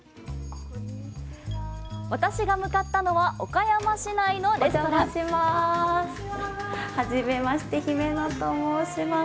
私が向かったのは岡山市内のレストランおじゃまします。